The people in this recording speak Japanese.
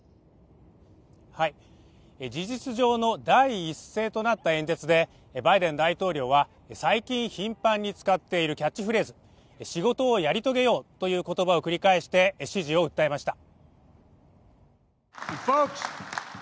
事実上の第一声となった演説でバイデン大統領は最近頻繁に使っているキャッチフレーズ仕事をやり遂げようという言葉を繰り返して支持を訴えました。